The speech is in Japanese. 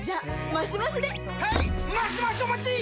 マシマシお待ちっ！！